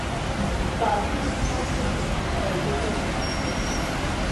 「把」字是將賓語提前的一個特徵，